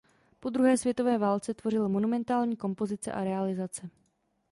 Po druhé světové válce tvořil monumentální kompozice a realizace.